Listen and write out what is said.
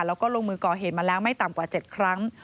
แล้วก็ลงมือก่อเหตุมาแล้วไม่ต่ำกว่า๗ครั้ง